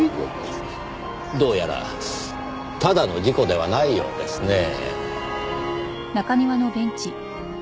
どうやらただの事故ではないようですねぇ。